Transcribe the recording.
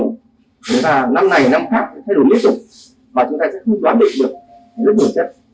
nếu là năm này năm khác sẽ thay đổi liên tục mà chúng ta sẽ không đoán định được rất nhiều chất